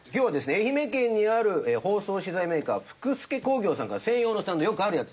愛媛県にある包装資材メーカー福助工業さんから専用のスタンドよくあるやつ。